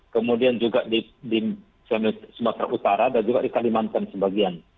kemudian juga di sumatera utara dan juga di kalimantan sebagian